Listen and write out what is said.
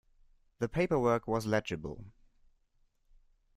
The paperwork was legible.